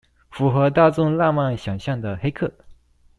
符合大眾浪漫想像的黑客